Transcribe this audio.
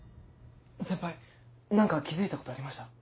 先輩何か気付いたことありました？